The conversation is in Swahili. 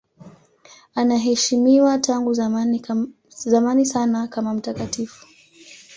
Anaheshimiwa tangu zamani sana kama mtakatifu.